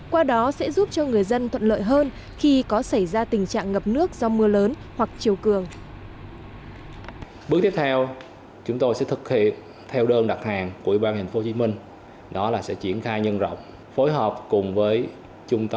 qua đó sẽ giúp cho người dân thuận lợi hơn khi có xảy ra tình trạng ngập nước do mưa lớn hoặc chiều cường